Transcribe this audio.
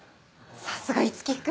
さすが五木君。